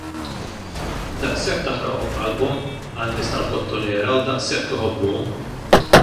Daqshekk taħraqhom qalbhom għan-nies tal-Kottonera u daqshekk iħobbuhom!